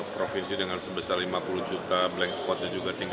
provinsi dengan sebesar lima puluh juta blank spotnya juga tinggi